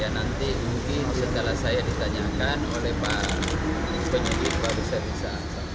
nanti mungkin setelah saya ditanyakan oleh pak penyitip baru saya bisa